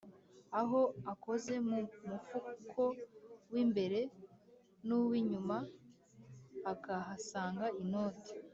aho akoze mu mufuko w'imbere n'uw’inyuma akahasanga inoti,